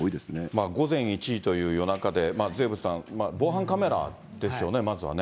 午前１時という夜中で、デーブさん、防犯カメラですよね、まずはね。